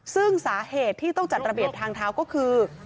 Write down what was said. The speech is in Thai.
ซึ่งสาเหตุที่ต้องจัดระเบียบทางเท้าก็คือ